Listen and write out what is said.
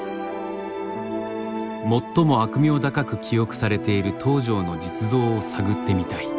最も悪名高く記憶されている東條の実像を探ってみたい。